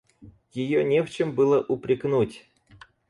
Ее не в чем было упрекнуть.